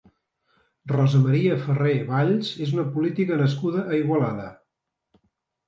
Rosa Maria Ferrer Valls és una política nascuda a Igualada.